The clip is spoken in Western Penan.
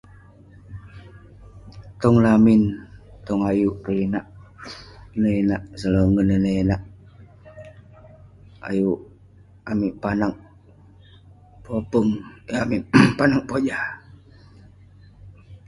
Tong lamin tong ayuk inak selongen ayuk amik panak popeng yeng amik panoek pojah